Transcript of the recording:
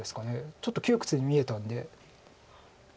ちょっと窮屈に見えたんで。